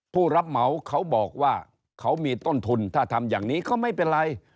ผู้รับเหมาเขาบอกว่าเขามีต้นทุนถ้าทำอย่างนี้ก็ไม่เป็นไร